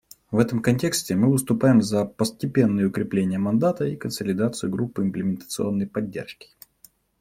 В этом контексте мы выступаем за постепенное укрепление мандата и консолидацию Группы имплементационной поддержки.